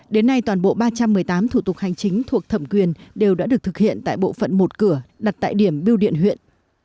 đến nay toàn bộ ba trăm một mươi tám thủ tục hành chính thuộc thẩm quyền đều đã được thực hiện tại bộ phận một cửa đặt tại điểm biêu điện huyện